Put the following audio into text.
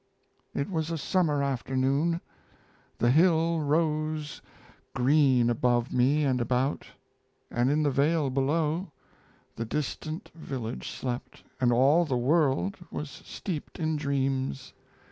It was a summer afternoon; the hill Rose green above me and about, and in the vale below The distant village slept, and all the world Was steeped in dreams.